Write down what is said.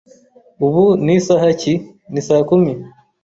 "Ubu ni isaha ki?" "Ni saa kumi."